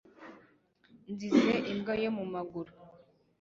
nzize imbwa yo mu maguru!»